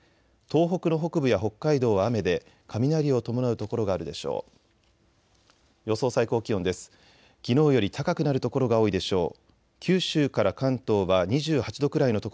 東北の北部や北海道は雨で雷を伴う所があるでしょう。